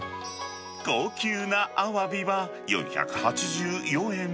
高級なアワビは４８４円。